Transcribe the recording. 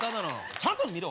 ちゃんと見ろ！